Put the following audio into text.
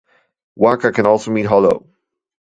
Waka can also mean 'hollow'.